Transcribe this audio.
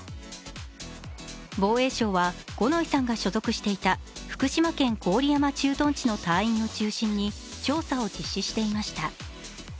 防衛省は五ノ井さんが所属していた福島県郡山駐屯地の隊員を中心に調査を実施していました。